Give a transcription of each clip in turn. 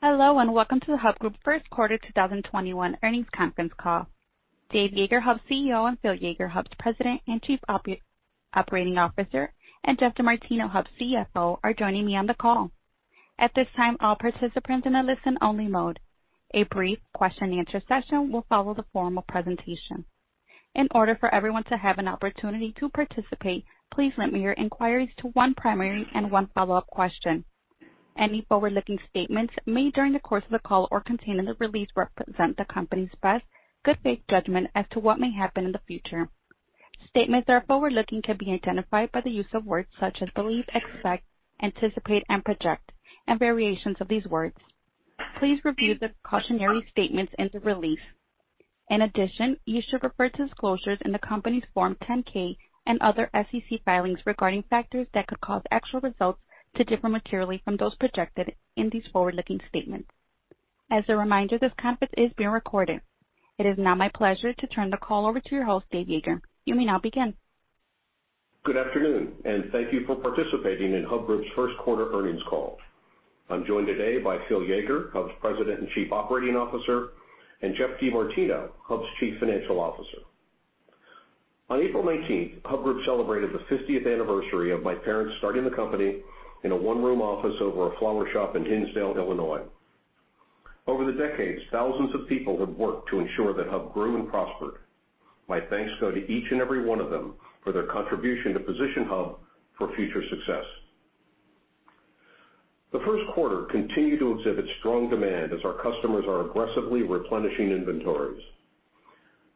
Hello, and welcome to the Hub Group first quarter 2021 earnings conference call. Dave Yeager, Hub's CEO, and Phil Yeager, Hub's President and Chief Operating Officer, and Jeff DeMartino, Hub's CFO, are joining me on the call. At this time, all participants in a listen-only mode. A brief question and answer session will follow the formal presentation. In order for everyone to have an opportunity to participate, please limit your inquiries to one primary and one follow-up question. Any forward-looking statements made during the course of the call or contained in the release represent the company's best good faith judgment as to what may happen in the future. Statements that are forward-looking can be identified by the use of words such as believe, expect, anticipate, and project, and variations of these words. Please review the cautionary statements in the release. In addition, you should refer to disclosures in the company's Form 10-K and other SEC filings regarding factors that could cause actual results to differ materially from those projected in these forward-looking statements. As a reminder, this conference is being recorded. It is now my pleasure to turn the call over to your host, Dave Yeager. You may now begin. Good afternoon. Thank you for participating in Hub Group's first quarter earnings call. I'm joined today by Phil Yeager, Hub's President and Chief Operating Officer, and Jeff DeMartino, Hub's Chief Financial Officer. On April 19th, Hub Group celebrated the 50th anniversary of my parents starting the company in a one-room office over a flower shop in Hinsdale, Illinois. Over the decades, thousands of people have worked to ensure that Hub grew and prospered. My thanks go to each and every one of them for their contribution to position Hub for future success. The first quarter continued to exhibit strong demand as our customers are aggressively replenishing inventories.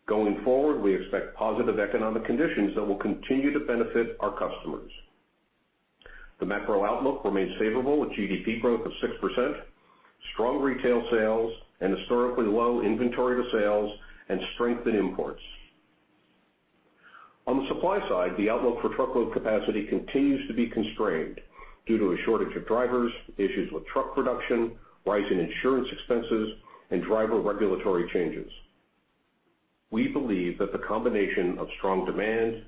Going forward, we expect positive economic conditions that will continue to benefit our customers. The macro outlook remains favorable with GDP growth of 6%, strong retail sales, an historically low inventory to sales, and strength in imports. On the supply side, the outlook for truckload capacity continues to be constrained due to a shortage of drivers, issues with truck production, rise in insurance expenses, and driver regulatory changes. We believe that the combination of strong demand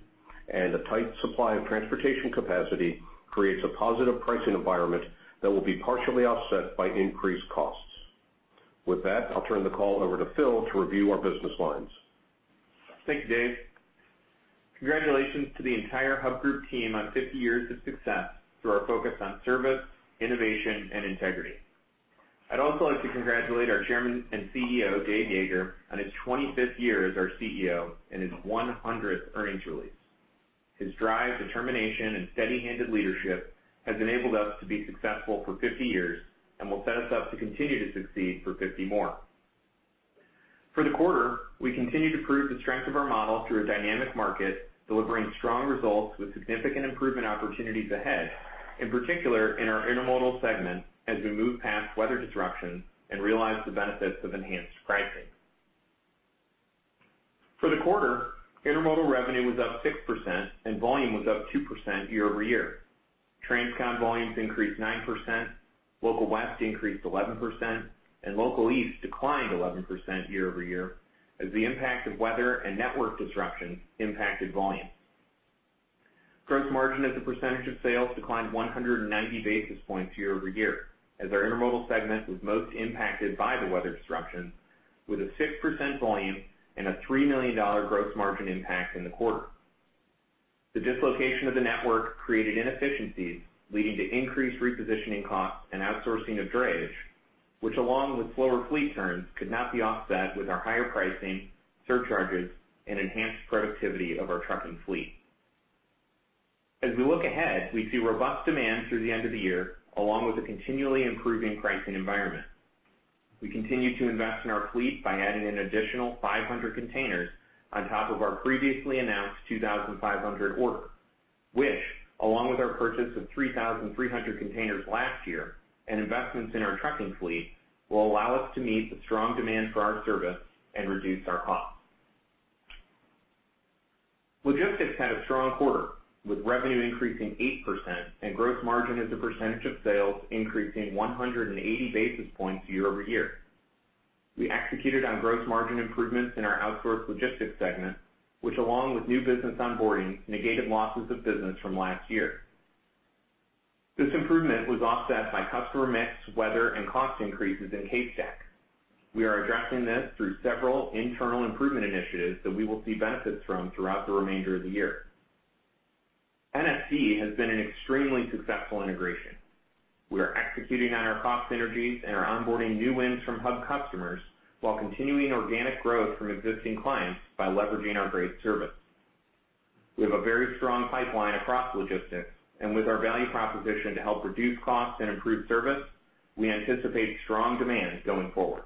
and a tight supply of transportation capacity creates a positive pricing environment that will be partially offset by increased costs. With that, I'll turn the call over to Phil to review our business lines. Thank you, Dave. Congratulations to the entire Hub Group team on 50 years of success through our focus on service, innovation, and integrity. I'd also like to congratulate our chairman and CEO, Dave Yeager, on his 25th year as our CEO and his 100th earnings release. His drive, determination, and steady-handed leadership has enabled us to be successful for 50 years and will set us up to continue to succeed for 50 more. For the quarter, we continued to prove the strength of our model through a dynamic market, delivering strong results with significant improvement opportunities ahead, in particular in our Intermodal segment, as we move past weather disruptions and realize the benefits of enhanced pricing. For the quarter, Intermodal revenue was up 6% and volume was up 2% year-over-year. Transcon volumes increased 9%, Local West increased 11%, and Local East declined 11% year-over-year as the impact of weather and network disruption impacted volume. Gross margin as a percentage of sales declined 190 basis points year-over-year as our Intermodal segment was most impacted by the weather disruption, with a 6% volume and a $3 million gross margin impact in the quarter. The dislocation of the network created inefficiencies, leading to increased repositioning costs and outsourcing of drayage, which along with slower fleet turns, could not be offset with our higher pricing, surcharges, and enhanced productivity of our trucking fleet. As we look ahead, we see robust demand through the end of the year, along with a continually improving pricing environment. We continue to invest in our fleet by adding an additional 500 containers on top of our previously announced 2,500 order, which along with our purchase of 3,300 containers last year and investments in our trucking fleet, will allow us to meet the strong demand for our service and reduce our costs. Logistics had a strong quarter, with revenue increasing 8% and gross margin as a percentage of sales increasing 180 basis points year-over-year. We executed on gross margin improvements in our outsourced logistics segment, which along with new business onboarding, negated losses of business from last year. This improvement was offset by customer mix, weather, and cost increases in CaseStack. We are addressing this through several internal improvement initiatives that we will see benefits from throughout the remainder of the year. NSC has been an extremely successful integration. We are executing on our cost synergies and are onboarding new wins from Hub customers while continuing organic growth from existing clients by leveraging our great service. We have a very strong pipeline across logistics, and with our value proposition to help reduce costs and improve service, we anticipate strong demand going forward.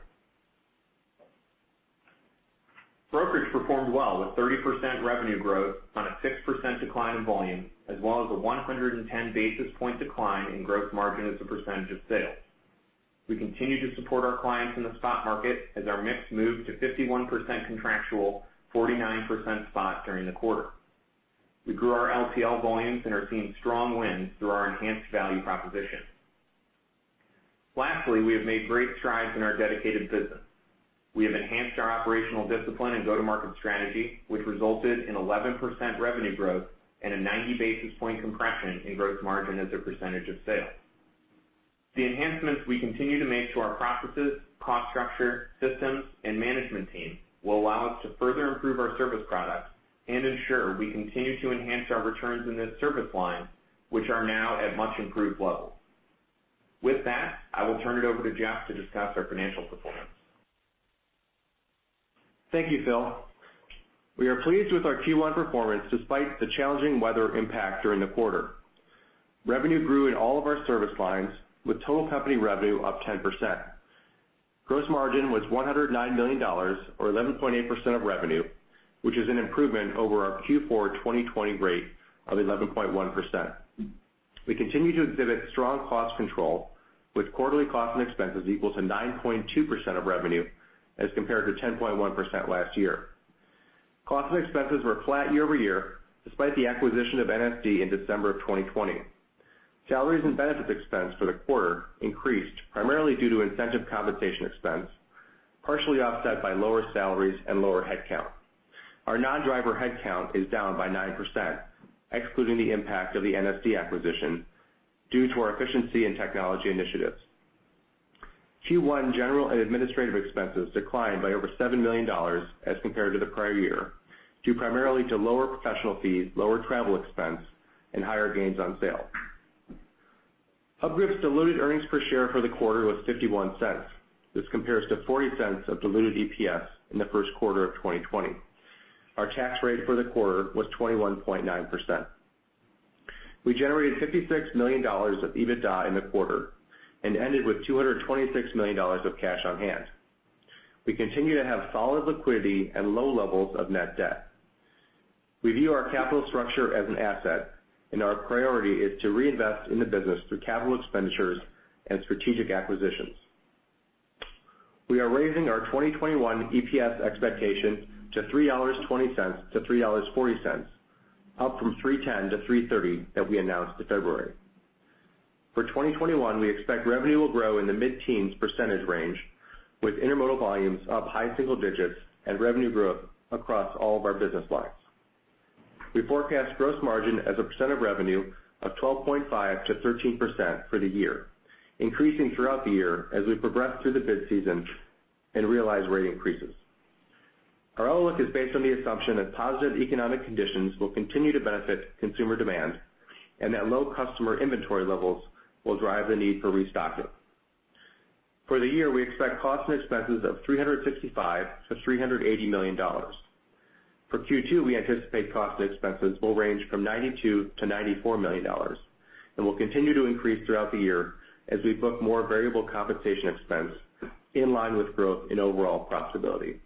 Brokerage performed well, with 30% revenue growth on a 6% decline in volume, as well as a 110 basis point decline in gross margin as a percentage of sales. We continue to support our clients in the spot market as our mix moved to 51% contractual, 49% spot during the quarter. We grew our LTL volumes and are seeing strong wins through our enhanced value proposition. Lastly, we have made great strides in our dedicated business. We have enhanced our operational discipline and go-to-market strategy, which resulted in 11% revenue growth and a 90 basis point compression in gross margin as a percentage of sale. The enhancements we continue to make to our processes, cost structure, systems, and management team will allow us to further improve our service products and ensure we continue to enhance our returns in this service line, which are now at much improved levels. With that, I will turn it over to Jeff to discuss our financial performance. Thank you, Phil. We are pleased with our Q1 performance despite the challenging weather impact during the quarter. Revenue grew in all of our service lines, with total company revenue up 10%. Gross margin was $109 million, or 11.8% of revenue, which is an improvement over our Q4 2020 rate of 11.1%. We continue to exhibit strong cost control with quarterly cost and expenses equal to 9.2% of revenue as compared to 10.1% last year. Cost and expenses were flat year-over-year, despite the acquisition of NSD in December of 2020. Salaries and benefits expense for the quarter increased primarily due to incentive compensation expense, partially offset by lower salaries and lower headcount. Our non-driver headcount is down by 9%, excluding the impact of the NSD acquisition, due to our efficiency and technology initiatives. Q1 general and administrative expenses declined by over $7 million as compared to the prior year, due primarily to lower professional fees, lower travel expense, and higher gains on sale. Hub Group's diluted earnings per share for the quarter was $0.51. This compares to $0.40 of diluted EPS in the first quarter of 2020. Our tax rate for the quarter was 21.9%. We generated $56 million of EBITDA in the quarter and ended with $226 million of cash on hand. We continue to have solid liquidity and low levels of net debt. We view our capital structure as an asset, and our priority is to reinvest in the business through capital expenditures and strategic acquisitions. We are raising our 2021 EPS expectation to $3.20-$3.40, up from $3.10-$3.30 that we announced in February. For 2021, we expect revenue will grow in the mid-teens percentage range, with intermodal volumes up high single digits and revenue growth across all of our business lines. We forecast gross margin as a percent of revenue of 12.5%-13% for the year, increasing throughout the year as we progress through the bid season and realize rate increases. Our outlook is based on the assumption that positive economic conditions will continue to benefit consumer demand and that low customer inventory levels will drive the need for restocking. For the year, we expect cost and expenses of $365 million-$380 million. For Q2, we anticipate cost and expenses will range from $92 million-$94 million and will continue to increase throughout the year as we book more variable compensation expense in line with growth in overall profitability.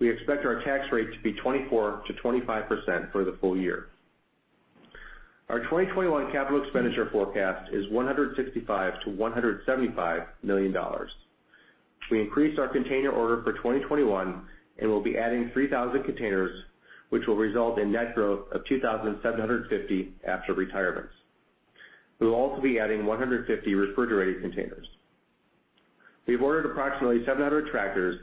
We expect our tax rate to be 24%-25% for the full year. Our 2021 capital expenditure forecast is $165 million-$175 million. We increased our container order for 2021, and we'll be adding 3,000 containers, which will result in net growth of 2,750 after retirements. We will also be adding 150 refrigerated containers. We've ordered approximately 700 tractors,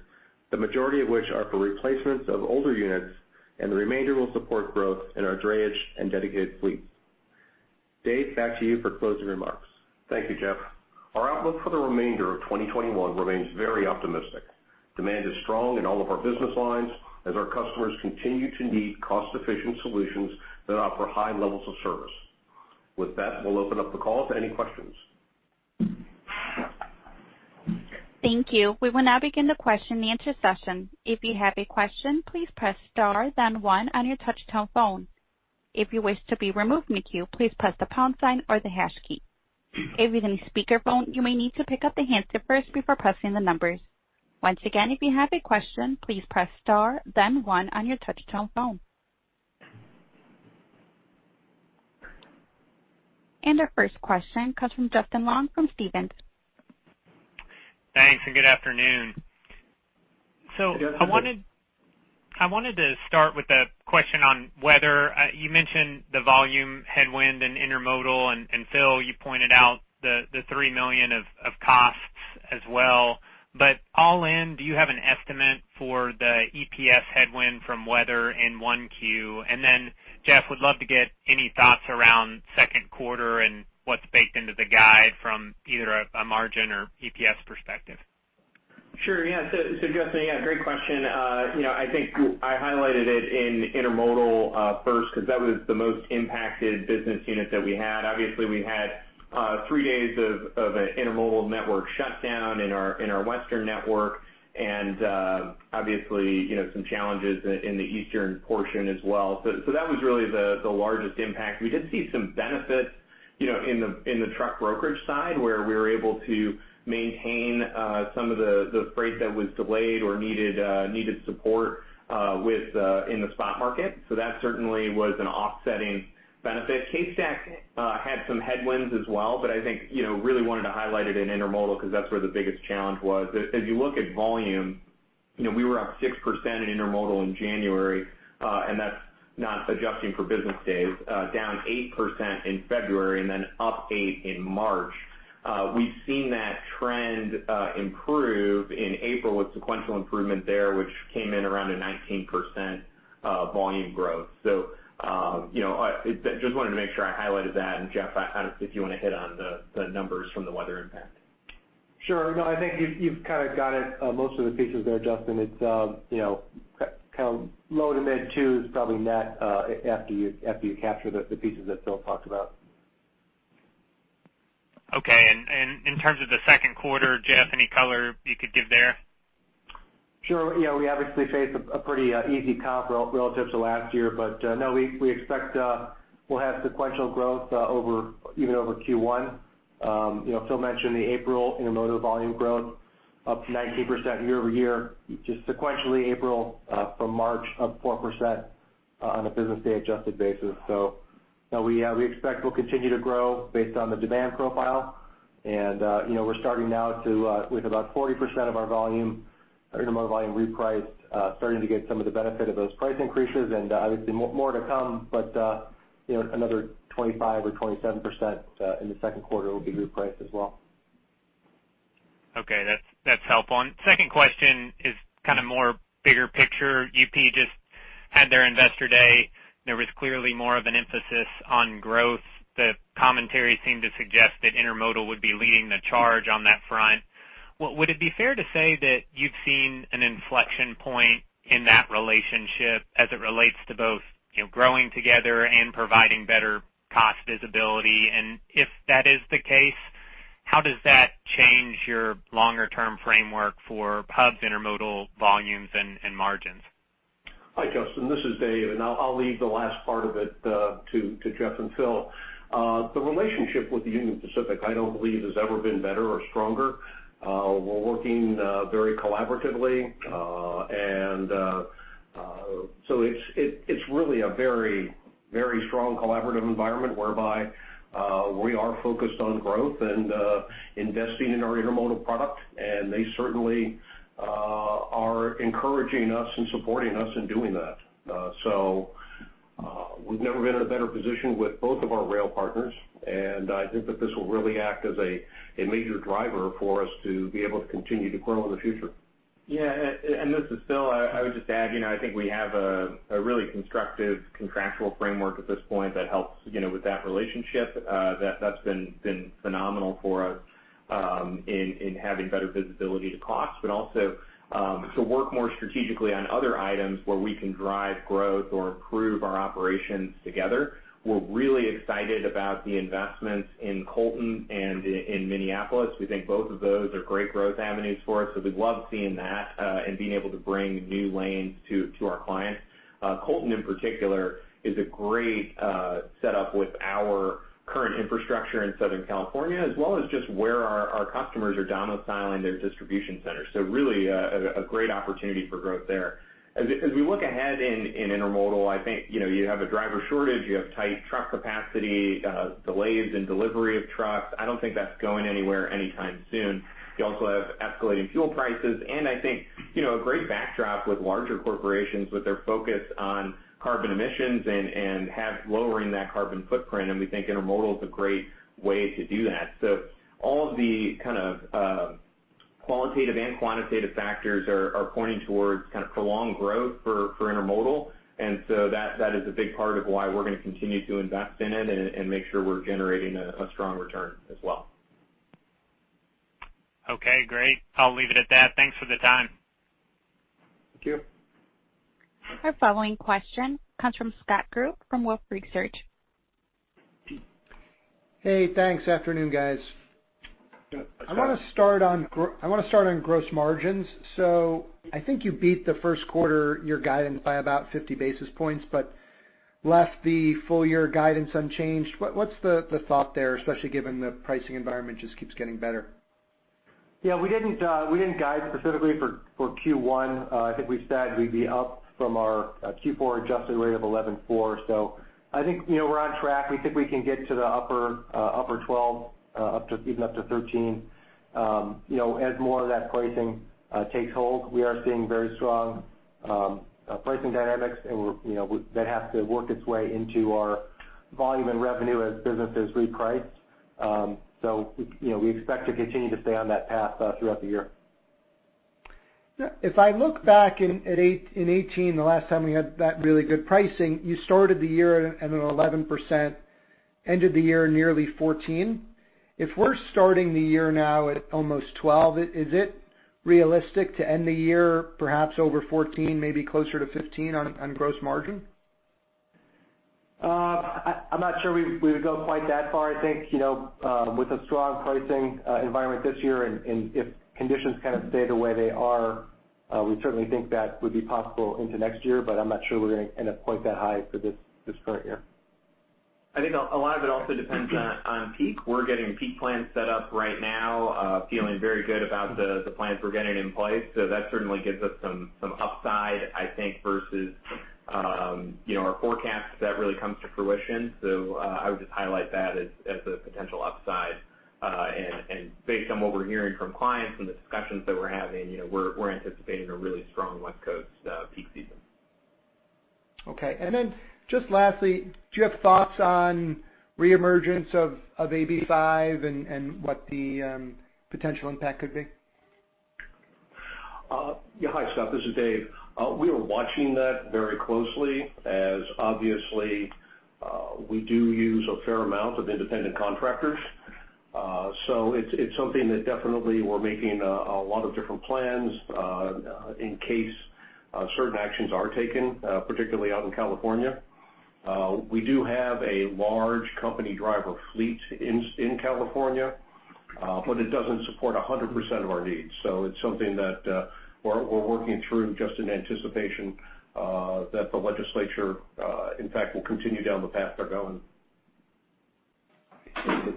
the majority of which are for replacements of older units, and the remainder will support growth in our drayage and dedicated fleet. Dave, back to you for closing remarks. Thank you, Jeff. Our outlook for the remainder of 2021 remains very optimistic. Demand is strong in all of our business lines as our customers continue to need cost-efficient solutions that offer high levels of service. With that, we'll open up the call to any questions. Thank you. We will now begin the question and answer session. If you have a question, please press star then one on your touch-tone phone. If you wish to be removed from the queue, please press the pound sign or the hash key. If you're on a speakerphone, you may need to pick up the handset first before pressing the numbers. Once again, if you have a question, please press star then one on your touch-tone phone. Our first question comes from Justin Long from Stephens. Thanks. Good afternoon. Good afternoon. I wanted to start with a question on weather. You mentioned the volume headwind in intermodal, Phil, you pointed out the $3 million of costs as well. All in, do you have an estimate for the EPS headwind from weather in one Q? Jeff, would love to get any thoughts around second quarter and what's baked into the guide from either a margin or EPS perspective. Sure. Yeah. Justin, yeah, great question. I think I highlighted it in intermodal first because that was the most impacted business unit that we had. Obviously, we had three days of an intermodal network shutdown in our western network and, obviously, some challenges in the eastern portion as well. That was really the largest impact. We did see some benefits in the truck brokerage side, where we were able to maintain some of the freight that was delayed or needed support in the spot market. That certainly was an offsetting benefit. CaseStack had some headwinds as well, but I think really wanted to highlight it in intermodal because that's where the biggest challenge was. As you look at volume, we were up 6% in intermodal in January, and that's not adjusting for business days. Down 8% in February, up 8% in March. We've seen that trend improve in April with sequential improvement there, which came in around a 19% volume growth. I just wanted to make sure I highlighted that, and Jeff, if you want to hit on the numbers from the weather impact. Sure. No, I think you've kind of got it, most of the pieces there, Justin. It's kind of low to mid twos probably net, after you capture the pieces that Phil talked about. Okay. In terms of the second quarter, Jeff, any color you could give there? Sure. We obviously face a pretty easy comp relative to last year. No, we expect we'll have sequential growth even over Q1. Phil mentioned the April intermodal volume growth, up 19% year-over-year. Sequentially April, from March, up 4% on a business day adjusted basis. We expect we'll continue to grow based on the demand profile. We're starting now with about 40% of our intermodal volume reprice, starting to get some of the benefit of those price increases, and obviously more to come, but another 25% or 27% in the second quarter will be repriced as well. Okay. That's helpful. Second question is kind of more bigger picture. UP just had their investor day. There was clearly more of an emphasis on growth. The commentary seemed to suggest that intermodal would be leading the charge on that front. Would it be fair to say that you've seen an inflection point in that relationship as it relates to both growing together and providing better cost visibility? If that is the case, how does that change your longer term framework for Hub Group's intermodal volumes, and margins? Hi Justin Long, this is Dave Yeager, and I'll leave the last part of it to Jeff DeMartino and Phillip D. Yeager. The relationship with Union Pacific, I don't believe has ever been better or stronger. We're working very collaboratively. It's really a very strong collaborative environment whereby we are focused on growth and investing in our intermodal product, and they certainly are encouraging us and supporting us in doing that. We've never been in a better position with both of our rail partners, and I think that this will really act as a major driver for us to be able to continue to grow in the future. Yeah. This is Phil. I would just add, I think we have a really constructive contractual framework at this point that helps with that relationship. That's been phenomenal for us in having better visibility to cost, but also to work more strategically on other items where we can drive growth or improve our operations together. We're really excited about the investments in Colton and in Minneapolis. We think both of those are great growth avenues for us. We love seeing that, and being able to bring new lanes to our clients. Colton in particular, is a great setup with our current infrastructure in Southern California, as well as just where our customers are domiciling their distribution centers. Really, a great opportunity for growth there. As we look ahead in intermodal, I think you have a driver shortage, you have tight truck capacity, delays in delivery of trucks. I don't think that's going anywhere anytime soon. You also have escalating fuel prices, and I think a great backdrop with larger corporations with their focus on carbon emissions and have lowering that carbon footprint, and we think intermodal is a great way to do that. All of the kind of qualitative and quantitative factors are pointing towards prolonged growth for intermodal, and so that is a big part of why we're going to continue to invest in it and make sure we're generating a strong return as well. Okay, great. I'll leave it at that. Thanks for the time. Thank you. Our following question comes from Scott Group from Wolfe Research. Hey, thanks. Afternoon, guys. Scott. I want to start on gross margins. I think you beat the first quarter, your guidance by about 50 basis points, but left the full year guidance unchanged. What's the thought there, especially given the pricing environment just keeps getting better? Yeah, we didn't guide specifically for Q1. I think we said we'd be up from our Q4 adjusted rate of 11.4. I think we're on track. We think we can get to the upper 12, even up to 13. As more of that pricing takes hold, we are seeing very strong pricing dynamics, and that has to work its way into our volume and revenue as business is repriced. We expect to continue to stay on that path throughout the year. If I look back in 2018, the last time we had that really good pricing, you started the year at an 11%, ended the year nearly 14%. If we're starting the year now at almost 12%, is it realistic to end the year perhaps over 14%, maybe closer to 15% on gross margin? I'm not sure we would go quite that far. I think, with a strong pricing environment this year, and if conditions kind of stay the way they are, we certainly think that would be possible into next year, but I'm not sure we're going to end up quite that high for this current year. I think a lot of it also depends on peak. We're getting peak plans set up right now, feeling very good about the plans we're getting in place. That certainly gives us some upside, I think, versus our forecast if that really comes to fruition. I would just highlight that as a potential upside. Based on what we're hearing from clients and the discussions that we're having, we're anticipating a really strong West Coast peak season. Okay. Just lastly, do you have thoughts on reemergence of AB5 and what the potential impact could be? Yeah. Hi, Scott, this is Dave. We are watching that very closely as obviously we do use a fair amount of independent contractors. It's something that definitely we're making a lot of different plans in case certain actions are taken, particularly out in California. We do have a large company driver fleet in California, but it doesn't support 100% of our needs. It's something that we're working through just in anticipation that the legislature, in fact, will continue down the path they're going.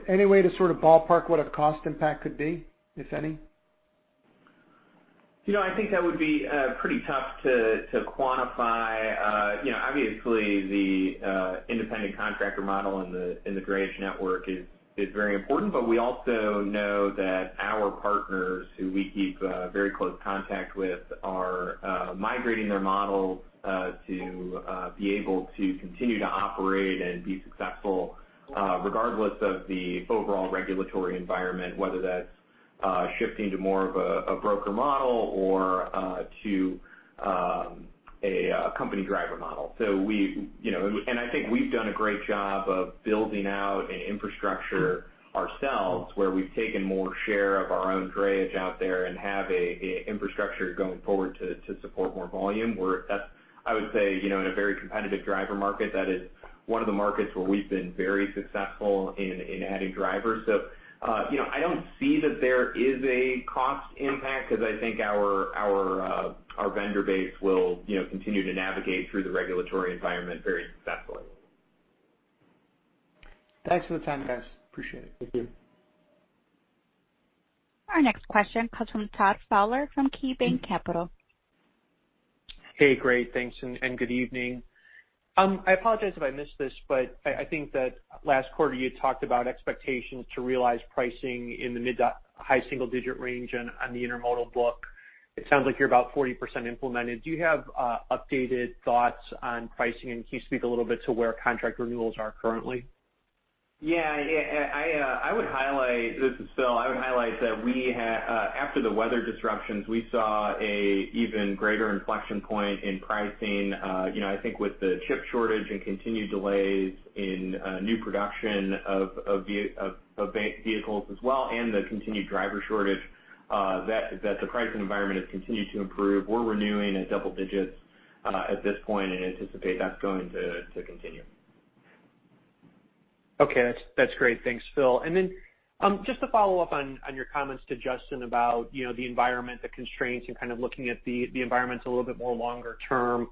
Any way to sort of ballpark what a cost impact could be, if any? I think that would be pretty tough to quantify. Obviously, the independent contractor model in the drayage network is very important, but we also know that our partners who we keep very close contact with are migrating their models to be able to continue to operate and be successful regardless of the overall regulatory environment, whether that's shifting to more of a broker model or to a company driver model. I think we've done a great job of building out an infrastructure ourselves where we've taken more share of our own drayage out there and have a infrastructure going forward to support more volume, where that's, I would say, in a very competitive driver market, that is one of the markets where we've been very successful in adding drivers. I don't see that there is a cost impact because I think our vendor base will continue to navigate through the regulatory environment very successfully. Thanks for the time, guys. Appreciate it. Thank you. Our next question comes from Todd Fowler from KeyBanc Capital. Hey, great. Thanks. Good evening. I apologize if I missed this. I think that last quarter you had talked about expectations to realize pricing in the mid to high single-digit range on the intermodal book. It sounds like you're about 40% implemented. Do you have updated thoughts on pricing? Can you speak a little bit to where contract renewals are currently? Yeah. This is Phil. I would highlight that after the weather disruptions, we saw an even greater inflection point in pricing. I think with the chip shortage and continued delays in new production of vehicles as well, and the continued driver shortage, that the pricing environment has continued to improve. We're renewing at double digits at this point and anticipate that's going to continue. Okay. That's great. Thanks, Phil. Just to follow up on your comments to Justin about the environment, the constraints, and kind of looking at the environment a little bit more longer term.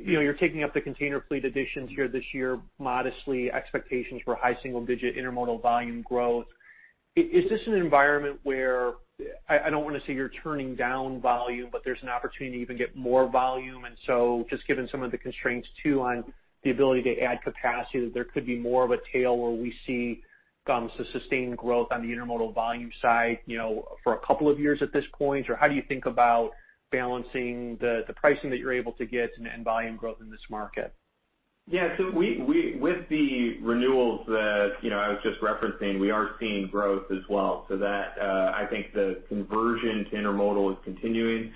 You're taking up the container fleet additions here this year, modestly expectations for high single-digit intermodal volume growth. Is this an environment where, I don't want to say you're turning down volume, but there's an opportunity to even get more volume, just given some of the constraints too, on the ability to add capacity, that there could be more of a tail where we see some sustained growth on the intermodal volume side for a couple of years at this point? How do you think about balancing the pricing that you're able to get and volume growth in this market? Yeah. With the renewals that I was just referencing, we are seeing growth as well. That, I think the conversion to intermodal is continuing.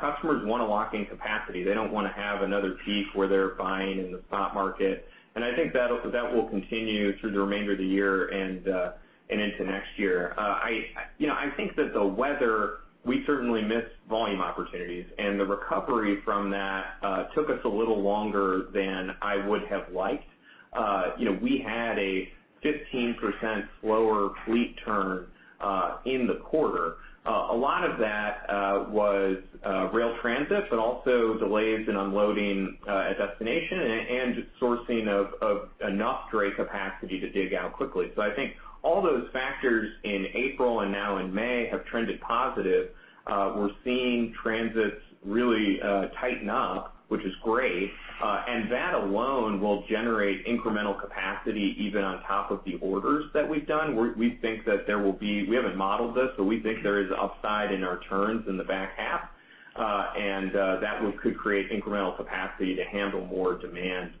Customers want to lock in capacity. They don't want to have another peak where they're buying in the spot market. I think that will continue through the remainder of the year and into next year. I think that the weather, we certainly missed volume opportunities, and the recovery from that took us a little longer than I would have liked. We had a 15% slower fleet turn in the quarter. A lot of that was rail transits, but also delays in unloading at destination, and sourcing of enough dray capacity to dig out quickly. I think all those factors in April, and now in May, have trended positive. We're seeing transits really tighten up, which is great. That alone will generate incremental capacity even on top of the orders that we've done. We haven't modeled this, but we think there is upside in our turns in the back half. That could create incremental capacity to handle more demand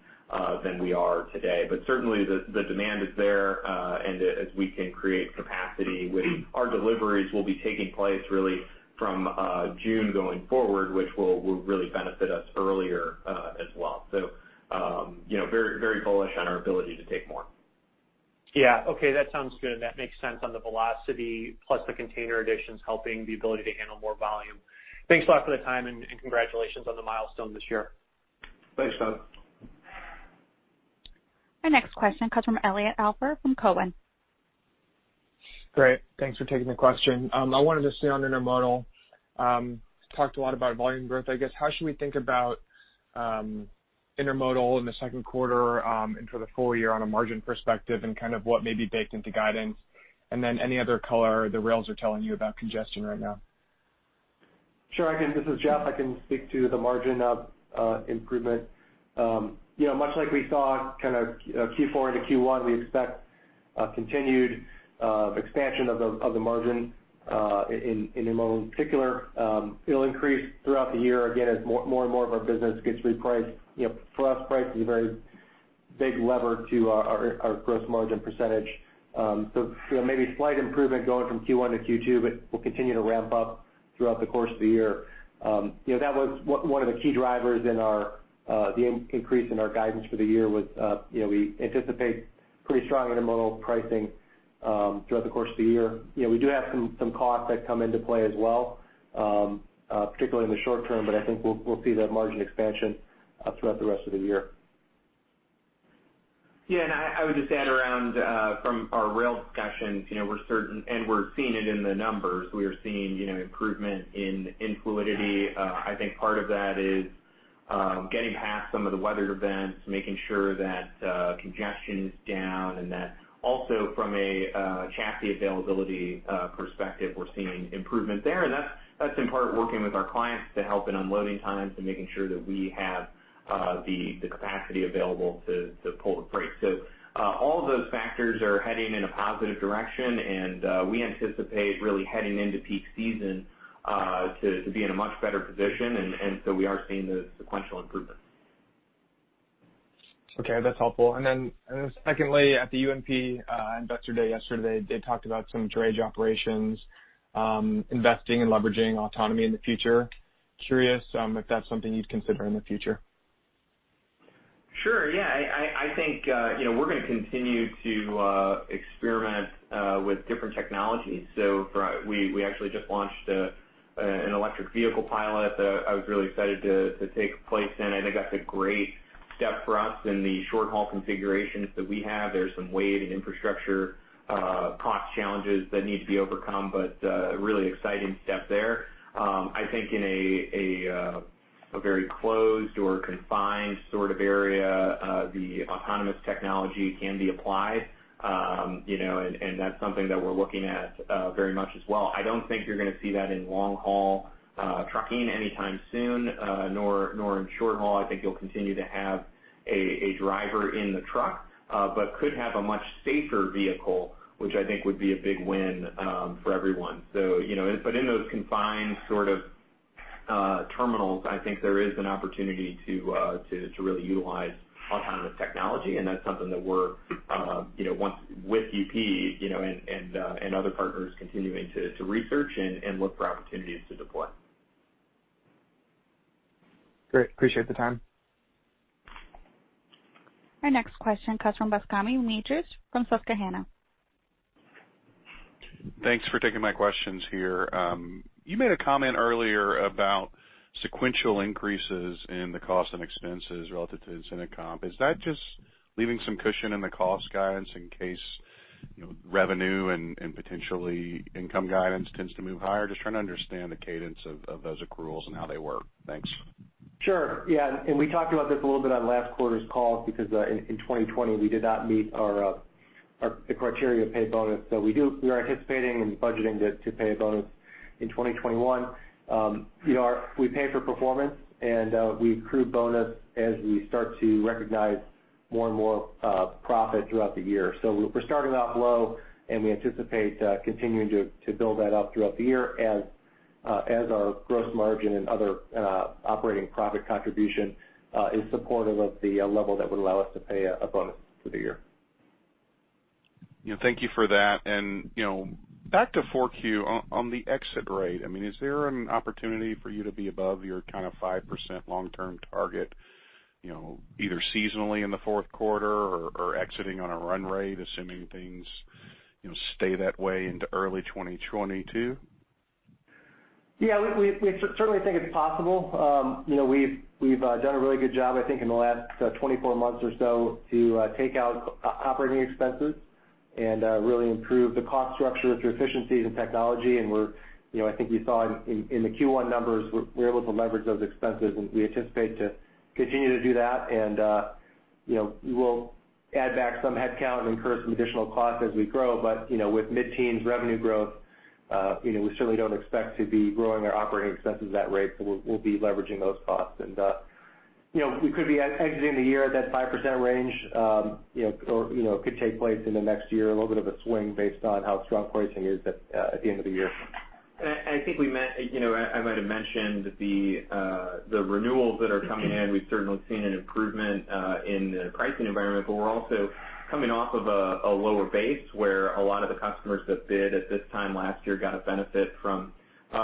than we are today. Certainly, the demand is there, and as we can create capacity with our deliveries will be taking place really from June going forward, which will really benefit us earlier as well. Very bullish on our ability to take more. Yeah. Okay. That sounds good. That makes sense on the velocity plus the container additions helping the ability to handle more volume. Thanks a lot for the time, and congratulations on the milestone this year. Thanks, Todd. Our next question comes from Elliot Alper from Cowen. Great. Thanks for taking the question. I wanted to stay on intermodal. Talked a lot about volume growth, I guess, how should we think about intermodal in the second quarter, and for the full year on a margin perspective and kind of what may be baked into guidance? Then any other color the rails are telling you about congestion right now? Sure. This is Jeff. I can speak to the margin of improvement. Much like we saw kind of Q4 into Q1, we expect continued expansion of the margin in intermodal in particular. It'll increase throughout the year, again, as more and more of our business gets repriced. For us, pricing is a very big lever to our gross margin %. Maybe slight improvement going from Q1 to Q2, but we'll continue to ramp up throughout the course of the year. That was one of the key drivers in the increase in our guidance for the year was, we anticipate pretty strong intermodal pricing throughout the course of the year. We do have some costs that come into play as well, particularly in the short term, but I think we'll see that margin expansion throughout the rest of the year. I would just add around from our rail discussions, we're certain, and we're seeing it in the numbers, we are seeing improvement in fluidity. I think part of that is getting past some of the weather events, making sure that congestion is down, and that also from a chassis availability perspective, we're seeing improvement there. That's in part working with our clients to help in unloading times and making sure that we have the capacity available to pull the freight. All of those factors are heading in a positive direction, and we anticipate really heading into peak season to be in a much better position. We are seeing the sequential improvements. Okay, that's helpful. Secondly, at the UNP Investor Day yesterday, they talked about some drayage operations, investing and leveraging autonomy in the future. Curious if that's something you'd consider in the future. Sure, yeah. I think we're going to continue to experiment with different technologies. We actually just launched an electric vehicle pilot that I was really excited to take place in. I think that's a great step for us in the short-haul configurations that we have. There's some weight and infrastructure cost challenges that need to be overcome, but a really exciting step there. I think in a very closed or confined sort of area, the autonomous technology can be applied, and that's something that we're looking at very much as well. I don't think you're going to see that in long-haul trucking anytime soon, nor in short-haul. I think you'll continue to have a driver in the truck, but could have a much safer vehicle, which I think would be a big win for everyone. In those confined sort of terminals, I think there is an opportunity to really utilize autonomous technology, and that's something that we're, once with UP, and other partners continuing to research and look for opportunities to deploy. Great. Appreciate the time. Our next question comes from Bascome Majors from Susquehanna. Thanks for taking my questions here. You made a comment earlier about sequential increases in the cost and expenses relative to incentive comp. Is that just leaving some cushion in the cost guidance in case revenue and potentially income guidance tends to move higher? Just trying to understand the cadence of those accruals and how they work. Thanks. Sure. Yeah. We talked about this a little bit on last quarter's call because in 2020, we did not meet the criteria to pay bonus. We are anticipating and budgeting to pay a bonus in 2021. We pay for performance, and we accrue bonus as we start to recognize more and more profit throughout the year. We're starting off low, and we anticipate continuing to build that up throughout the year as our gross margin and other operating profit contribution is supportive of the level that would allow us to pay a bonus for the year. Thank you for that. Back to 4Q, on the exit rate, is there an opportunity for you to be above your kind of 5% long-term target, either seasonally in the fourth quarter or exiting on a run rate, assuming things stay that way into early 2022? Yeah, we certainly think it's possible. We've done a really good job, I think, in the last 24 months or so to take out operating expenses and really improve the cost structure through efficiencies and technology. I think you saw in the Q1 numbers, we're able to leverage those expenses, and we anticipate to continue to do that. We'll add back some headcount and incur some additional costs as we grow. With mid-teens revenue growth, we certainly don't expect to be growing our operating expenses at that rate. We'll be leveraging those costs. We could be exiting the year at that 5% range, or could take place in the next year, a little bit of a swing based on how strong pricing is at the end of the year. I think I might have mentioned the renewals that are coming in. We've certainly seen an improvement in the pricing environment, but we're also coming off of a lower base where a lot of the customers that bid at this time last year got a benefit from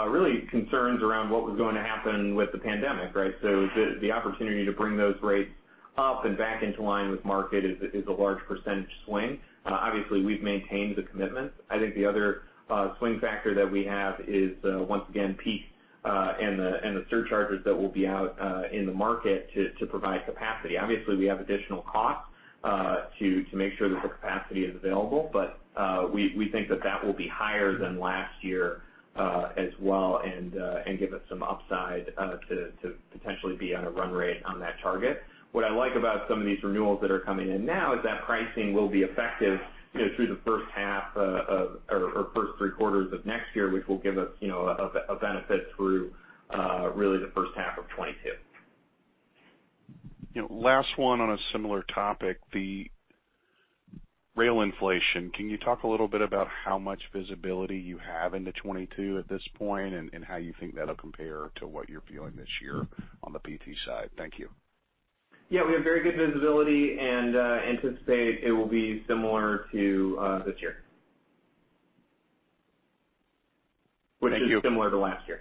really concerns around what was going to happen with the pandemic, right? The opportunity to bring those rates up and back into line with market is a large percentage swing. Obviously, we've maintained the commitment. I think the other swing factor that we have is, once again, peak, and the surcharges that will be out in the market to provide capacity. Obviously, we have additional costs to make sure that the capacity is available, but we think that that will be higher than last year as well and give us some upside to potentially be on a run rate on that target. What I like about some of these renewals that are coming in now is that pricing will be effective through the first half of, or first three quarters of next year, which will give us a benefit through really the first half of 2022. Last one on a similar topic. Rail inflation. Can you talk a little bit about how much visibility you have into 2022 at this point, and how you think that'll compare to what you're viewing this year on the PT side? Thank you. Yeah, we have very good visibility, and anticipate it will be similar to this year. Thank you. Which is similar to last year.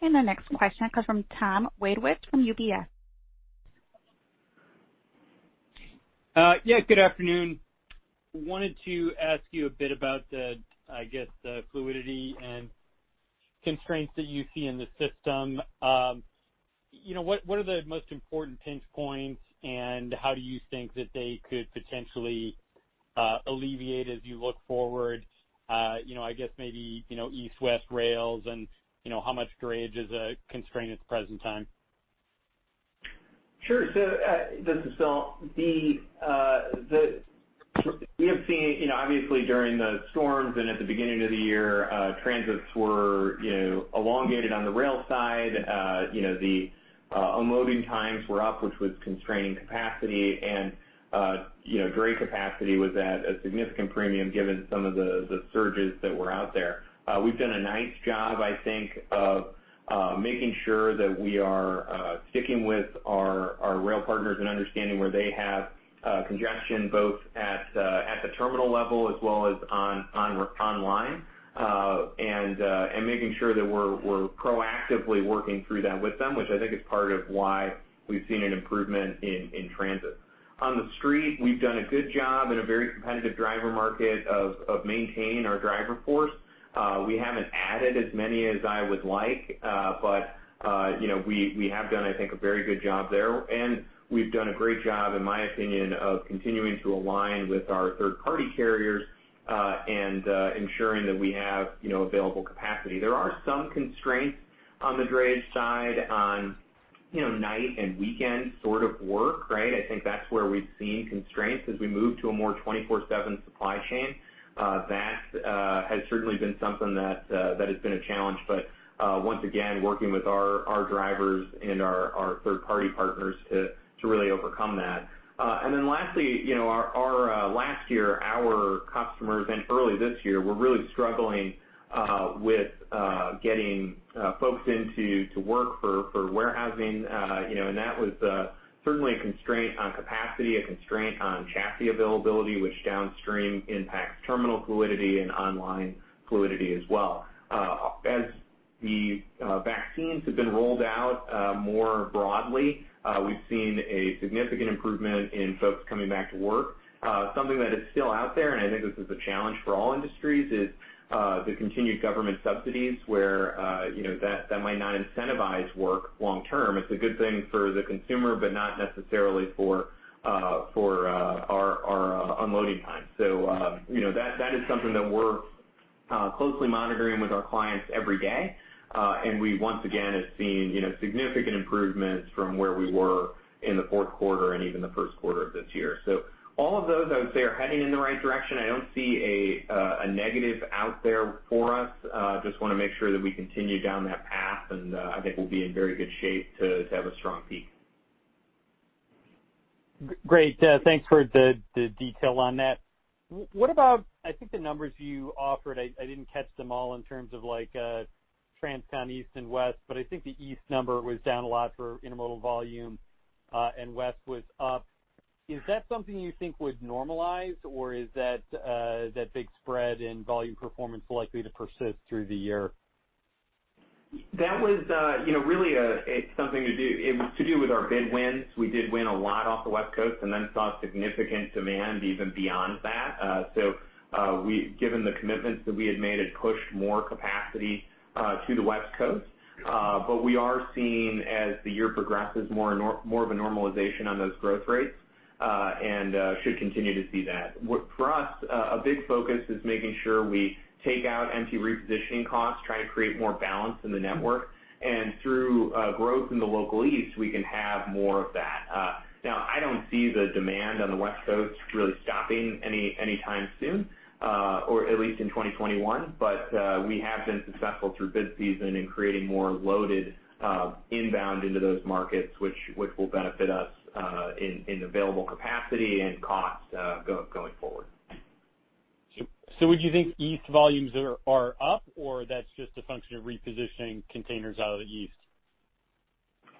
The next question comes from Tom Wadewitz from UBS. Yeah, good afternoon. Wanted to ask you a bit about the, I guess, the fluidity and constraints that you see in the system. What are the most important pinch points, and how do you think that they could potentially alleviate as you look forward, I guess maybe, East/West rails, and how much drayage is a constraint at the present time? Sure. This is Phil. We have seen, obviously during the storms and at the beginning of the year, transits were elongated on the rail side. The unloading times were up, which was constraining capacity, and dray capacity was at a significant premium given some of the surges that were out there. We've done a nice job, I think, of making sure that we are sticking with our rail partners and understanding where they have congestion, both at the terminal level as well as online, and making sure that we're proactively working through that with them, which I think is part of why we've seen an improvement in transit. On the street, we've done a good job in a very competitive driver market of maintaining our driver force. We haven't added as many as I would like, but we have done, I think, a very good job there. We've done a great job, in my opinion, of continuing to align with our third-party carriers, and ensuring that we have available capacity. There are some constraints on the drayage side on night and weekend sort of work, right. I think that's where we've seen constraints as we move to a more twenty-four-seven supply chain. That has certainly been something that has been a challenge, but once again, working with our drivers and our third-party partners to really overcome that. Lastly, last year, our customers, and early this year, were really struggling with getting folks in to work for warehousing, and that was certainly a constraint on capacity, a constraint on chassis availability, which downstream impacts terminal fluidity and online fluidity as well. As the vaccines have been rolled out more broadly, we've seen a significant improvement in folks coming back to work. Something that is still out there, and I think this is a challenge for all industries, is the continued government subsidies where that might not incentivize work long term. It's a good thing for the consumer, but not necessarily for our unloading time. That is something that we're closely monitoring with our clients every day. We, once again, have seen significant improvements from where we were in the fourth quarter and even the first quarter of this year. All of those, I would say, are heading in the right direction. I don't see a negative out there for us. Just want to make sure that we continue down that path, and I think we'll be in very good shape to have a strong peak. Great. Thanks for the detail on that. What about, I think the numbers you offered, I didn't catch them all in terms of like trans-country East and West, but I think the East number was down a lot for intermodal volume, and West was up. Is that something you think would normalize, or is that big spread in volume performance likely to persist through the year? That was really, it was to do with our bid wins. We did win a lot off the West Coast, saw significant demand even beyond that. Given the commitments that we had made, it pushed more capacity to the West Coast. We are seeing as the year progresses, more of a normalization on those growth rates, and should continue to see that. For us, a big focus is making sure we take out empty repositioning costs, try to create more balance in the network, and through growth in the Local East, we can have more of that. I don't see the demand on the West Coast really stopping any time soon, or at least in 2021. We have been successful through bid season in creating more loaded inbound into those markets, which will benefit us in available capacity and cost going forward. Would you think East volumes are up, or that's just a function of repositioning containers out of the East?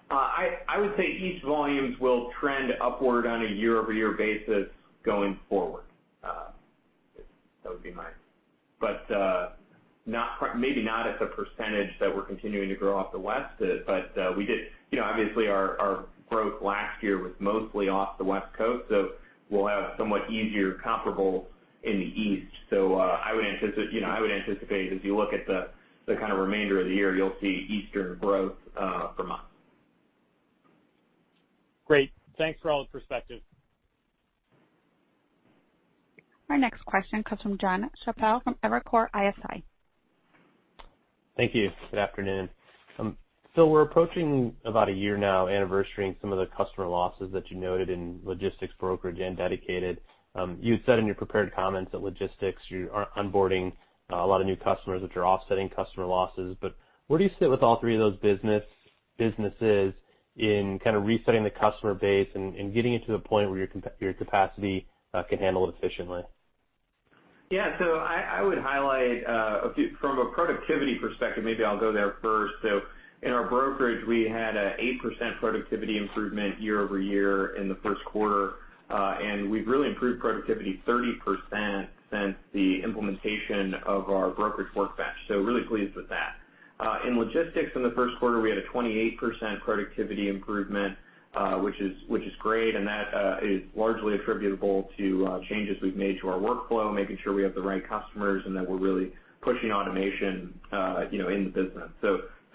I would say East volumes will trend upward on a year-over-year basis going forward. Maybe not at the percentage that we're continuing to grow off the West. Obviously, our growth last year was mostly off the West Coast, so we'll have somewhat easier comparable in the East. I would anticipate, as you look at the kind of remainder of the year, you'll see Eastern growth from us. Great. Thanks for all the perspective. Our next question comes from Jonathan Chappell from Evercore ISI. Thank you. Good afternoon. Phil, we're approaching about a year now anniversarying some of the customer losses that you noted in logistics brokerage and dedicated. You had said in your prepared comments that logistics, you are onboarding a lot of new customers, which are offsetting customer losses. Where do you sit with all three of those businesses in resetting the customer base and getting it to the point where your capacity can handle it efficiently? Yeah. I would highlight from a productivity perspective, maybe I'll go there first. In our brokerage, we had an 8% productivity improvement year-over-year in the first quarter. We've really improved productivity 30% since the implementation of our brokerage work batch. Really pleased with that. In logistics in the first quarter, we had a 28% productivity improvement, which is great, and that is largely attributable to changes we've made to our workflow, making sure we have the right customers, and that we're really pushing automation in the business.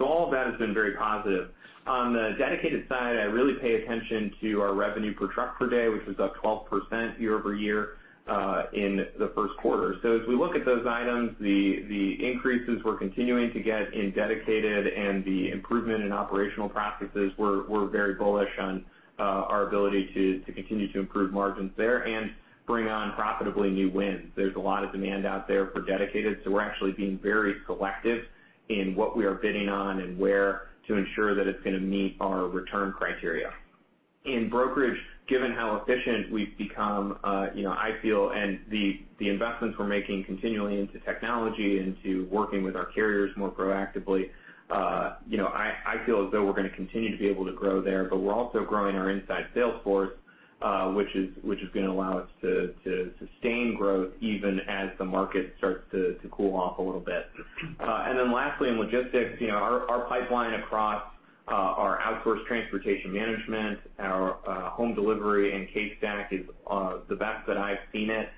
All of that has been very positive. On the dedicated side, I really pay attention to our revenue per truck per day, which was up 12% year-over-year, in the first quarter. As we look at those items, the increases we're continuing to get in dedicated, and the improvement in operational practices, we're very bullish on our ability to continue to improve margins there, and bring on profitably new wins. There's a lot of demand out there for dedicated, we're actually being very selective in what we are bidding on and where to ensure that it's going to meet our return criteria. In brokerage, given how efficient we've become, I feel, and the investments we're making continually into technology, into working with our carriers more proactively, I feel as though we're going to continue to be able to grow there. We're also growing our inside sales force, which is going to allow us to sustain growth even as the market starts to cool off a little bit. Lastly, in logistics, our pipeline across our outsourced transportation management, our home delivery, and CaseStack is the best that I've seen it.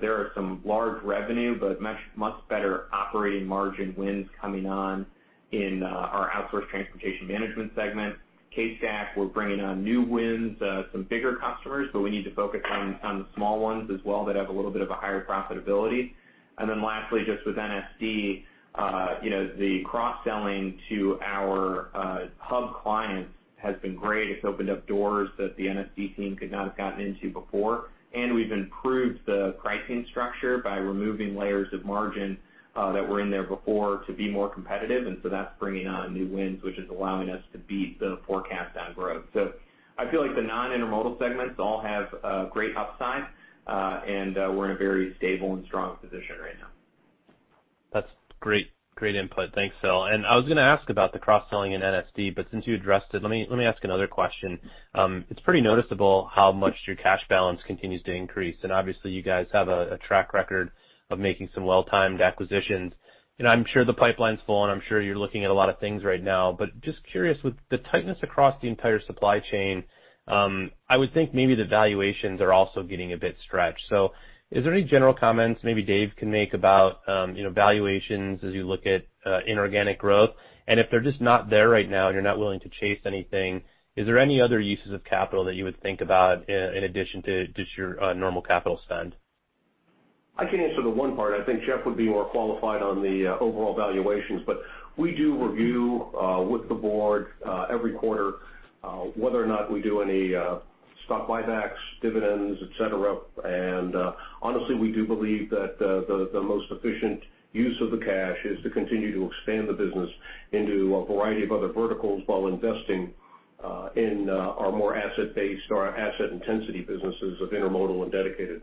There are some large revenue, but much better operating margin wins coming on in our outsourced transportation management segment. CaseStack, we're bringing on new wins, some bigger customers, but we need to focus on the small ones as well that have a little bit of a higher profitability. Lastly, just with NSD, the cross-selling to our Hub clients has been great. It's opened up doors that the NSD team could not have gotten into before. We've improved the pricing structure by removing layers of margin that were in there before to be more competitive. That's bringing on new wins, which is allowing us to beat the forecast on growth. I feel like the non-intermodal segments all have a great upside. We're in a very stable and strong position right now. That's great input. Thanks, Phil. I was going to ask about the cross-selling in NSD, since you addressed it, let me ask another question. It's pretty noticeable how much your cash balance continues to increase, obviously you guys have a track record of making some well-timed acquisitions. I'm sure the pipeline's full, I'm sure you're looking at a lot of things right now. Just curious, with the tightness across the entire supply chain, I would think maybe the valuations are also getting a bit stretched. Is there any general comments maybe Dave can make about valuations as you look at inorganic growth? If they're just not there right now, you're not willing to chase anything, is there any other uses of capital that you would think about in addition to just your normal capital spend? I can answer the one part. I think Jeff would be more qualified on the overall valuations. We do review with the board every quarter whether or not we do any stock buybacks, dividends, et cetera. Honestly, we do believe that the most efficient use of the cash is to continue to expand the business into a variety of other verticals while investing in our more asset-based or our asset intensity businesses of intermodal and dedicated.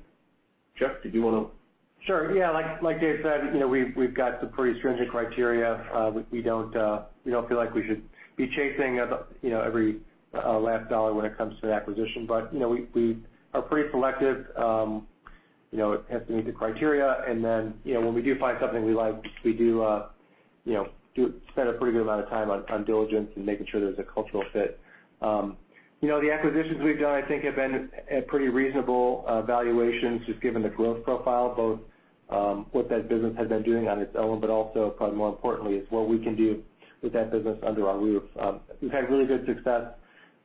Jeff, did you want to? Sure. Yeah, like Dave said, we've got some pretty stringent criteria. We don't feel like we should be chasing every last dollar when it comes to an acquisition. We are pretty selective. It has to meet the criteria, and then, when we do find something we like, we do spend a pretty good amount of time on diligence and making sure there's a cultural fit. The acquisitions we've done, I think, have been at pretty reasonable valuations, just given the growth profile, both what that business has been doing on its own, but also, probably more importantly, is what we can do with that business under our roof. We've had really good success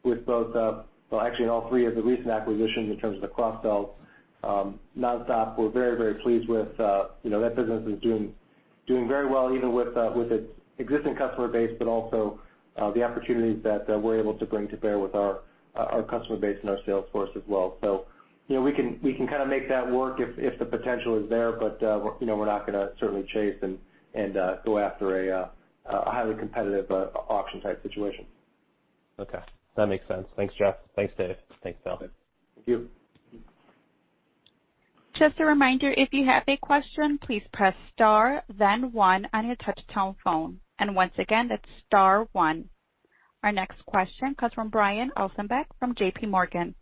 with both, well, actually, all three of the recent acquisitions in terms of the cross-sells. Nonstop, we're very, very pleased with. That business is doing very well, even with its existing customer base, but also the opportunities that we're able to bring to bear with our customer base and our sales force as well. We can kind of make that work if the potential is there. We're not going to certainly chase and go after a highly competitive auction type situation. Okay. That makes sense. Thanks, Jeff. Thanks, Dave. Thanks, Phil. Okay. Thank you. Just a reminder, if you have a question, please press star then one on your touchtone phone. Once again, that's star one. Our next question comes from Brian Ossenbeck from JPMorgan.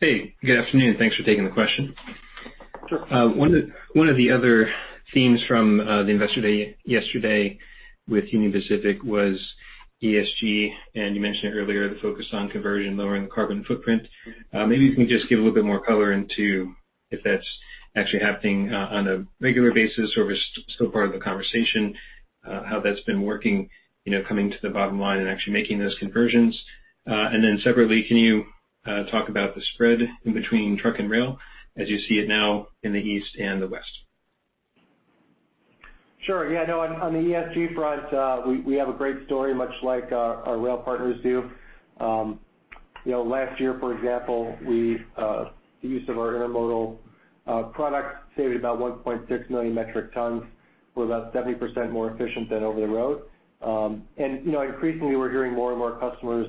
Hey, good afternoon. Thanks for taking the question. Sure. One of the other themes from the investor day yesterday with Union Pacific was ESG. You mentioned it earlier, the focus on conversion, lowering the carbon footprint. Maybe you can just give a little bit more color into if that's actually happening on a regular basis, or if it's still part of the conversation, how that's been working, coming to the bottom line and actually making those conversions. Separately, can you talk about the spread in between truck and rail as you see it now in the East and the West? Sure. Yeah, no, on the ESG front, we have a great story, much like our rail partners do. Last year, for example, the use of our intermodal products saved about 1.6 million metric tons. We're about 70% more efficient than over-the-road. Increasingly, we're hearing more of our customers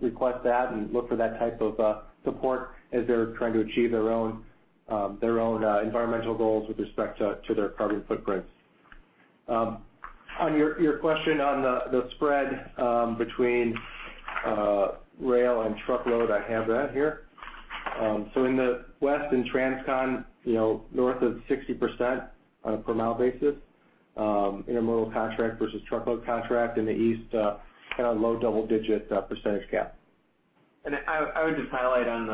request that and look for that type of support as they're trying to achieve their own environmental goals with respect to their carbon footprints. On your question on the spread between rail and truckload, I have that here. In the West, in Transcon, north of 60% on a per mile basis, intermodal contract versus truckload contract in the East, at a low double-digit percentage gap. I would just highlight on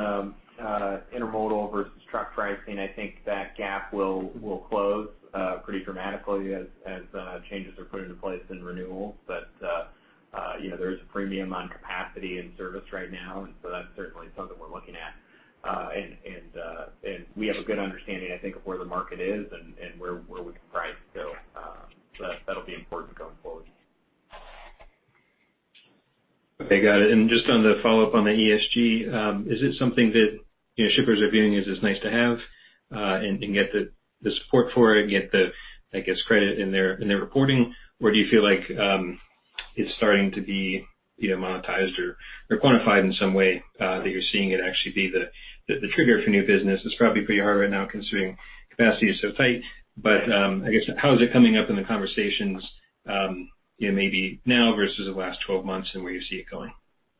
the intermodal versus truck pricing, I think that gap will close pretty dramatically as changes are put into place in renewal. There is a premium on capacity and service right now, that's certainly something we're looking at. We have a good understanding, I think, of where the market is and where we can price. That'll be important going forward. Okay, got it. Just on the follow-up on the ESG, is it something that shippers are viewing as nice to have, and can get the support for it and get the, I guess, credit in their reporting? Do you feel like it's starting to be monetized or quantified in some way that you're seeing it actually be the trigger for new business? It's probably pretty hard right now considering capacity is so tight, but I guess, how is it coming up in the conversations maybe now versus the last 12 months, and where you see it going?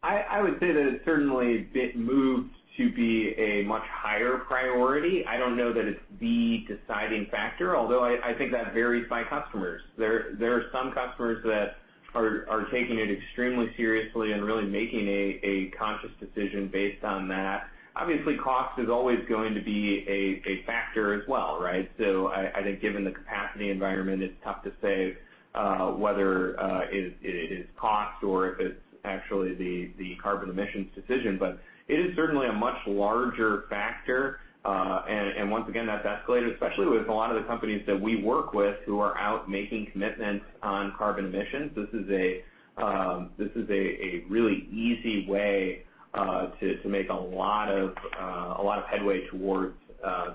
I would say that it certainly moved to be a much higher priority. I don't know that it's the deciding factor, although I think that varies by customers. There are some customers that are taking it extremely seriously and really making a conscious decision based on that. Obviously, cost is always going to be a factor as well, right? I think given the capacity environment, it's tough to say whether it is cost or if it's actually the carbon emissions decision. It is certainly a much larger factor, and once again, that's escalated, especially with a lot of the companies that we work with who are out making commitments on carbon emissions. This is a really easy way to make a lot of headway towards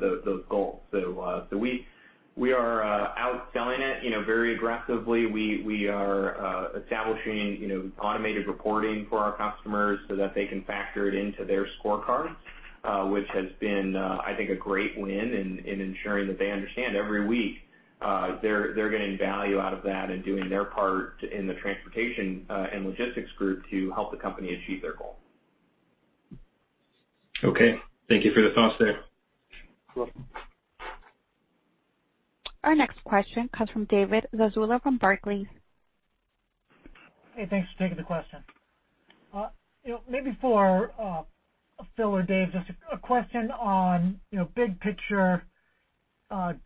those goals. We are out selling it very aggressively. We are establishing automated reporting for our customers so that they can factor it into their scorecards, which has been, I think, a great win in ensuring that they understand every week they're getting value out of that and doing their part in the transportation and logistics group to help the company achieve their goal. Okay. Thank you for the thoughts there. Welcome. Our next question comes from David Zazula from Barclays. Hey, thanks for taking the question. Maybe for Phil or Dave, just a question on big picture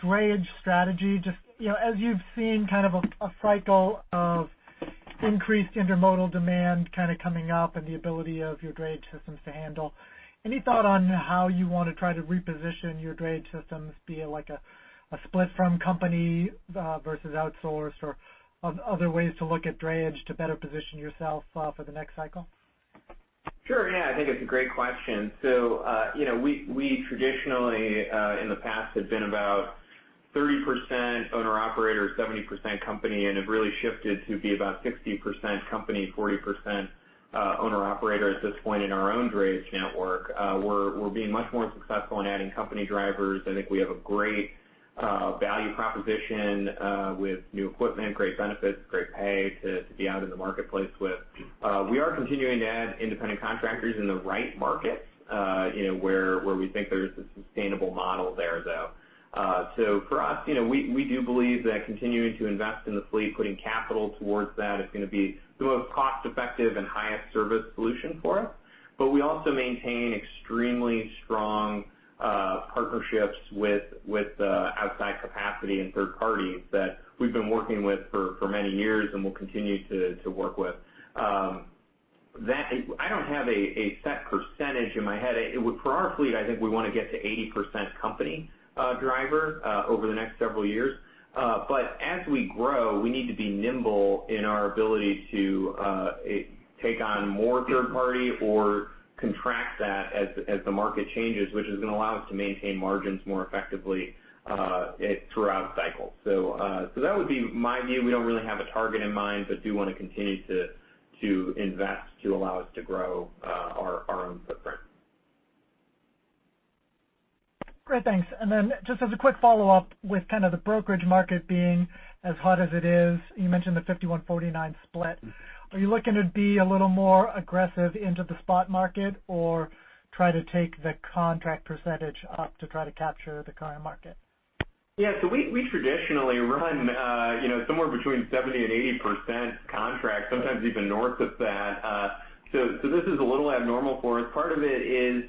drayage strategy. Just as you've seen a cycle of increased intermodal demand coming up and the ability of your drayage systems to handle, any thought on how you want to try to reposition your drayage systems, be it like a split from company versus outsourced or other ways to look at drayage to better position yourself for the next cycle? Sure. Yeah, I think it's a great question. We traditionally in the past have been about 30% owner operator, 70% company, and have really shifted to be about 60% company, 40% owner operator at this point in our own drayage network. We're being much more successful in adding company drivers. I think we have a great value proposition with new equipment, great benefits, great pay to be out in the marketplace with. We are continuing to add independent contractors in the right markets where we think there is a sustainable model there, though. For us, we do believe that continuing to invest in the fleet, putting capital towards that is going to be the most cost effective and highest service solution for us. We also maintain extremely strong partnerships with outside capacity and third parties that we've been working with for many years and will continue to work with. I don't have a set % in my head. For our fleet, I think we want to get to 80% company driver over the next several years. As we grow, we need to be nimble in our ability to take on more third party or contract that as the market changes, which is going to allow us to maintain margins more effectively throughout a cycle. That would be my view. We don't really have a target in mind, but do want to continue to invest to allow us to grow our own footprint. Great. Thanks. Just as a quick follow-up with the brokerage market being as hot as it is, you mentioned the 51, 49 split. Are you looking to be a little more aggressive into the spot market or try to take the contract % up to try to capture the current market? Yeah. We traditionally run somewhere between 70% and 80% contract, sometimes even north of that. This is a little abnormal for us. Part of it is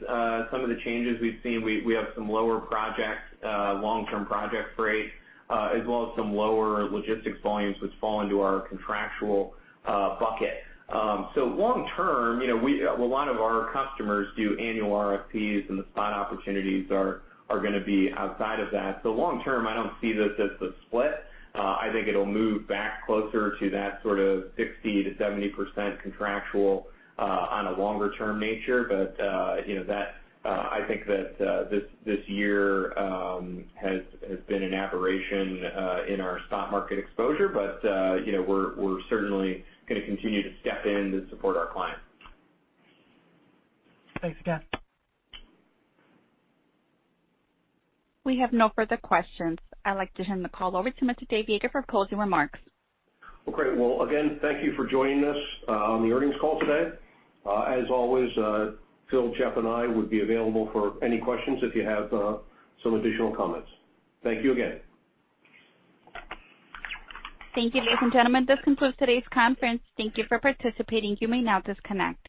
some of the changes we've seen. We have some lower projects, long-term project freight, as well as some lower logistics volumes, which fall into our contractual bucket. Long term, a lot of our customers do annual RFPs, and the spot opportunities are going to be outside of that. Long term, I don't see this as the split. I think it'll move back closer to that sort of 60% to 70% contractual on a longer term nature. I think that this year has been an aberration in our spot market exposure. We're certainly going to continue to step in to support our clients. Thanks again. We have no further questions. I'd like to hand the call over to Mr. Dave Yeager for closing remarks. Well, great. Again, thank you for joining us on the earnings call today. As always, Phil, Jeff, and I would be available for any questions if you have some additional comments. Thank you again. Thank you, ladies and gentlemen. This concludes today's conference. Thank you for participating. You may now disconnect.